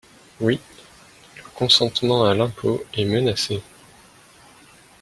Oui, le consentement à l’impôt est menacé.